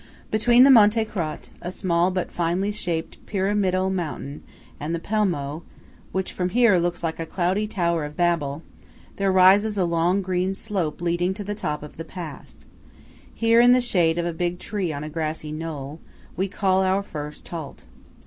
Between the Monte Crot–a small but finely shaped pyramidal mountain–and the Pelmo, which from here looks like a cloudy Tower of Babel, there rises a long green slope leading to the top of the pass. Here, in the shade of a big tree on a grassy knoll, we call our first halt.